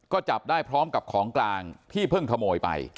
ก็จับได้พร้อมกับของกลางที่เพิ่งขโมยไป